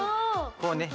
こうね